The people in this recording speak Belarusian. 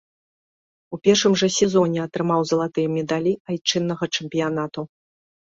У першым жа сезоне атрымаў залатыя медалі айчыннага чэмпіянату.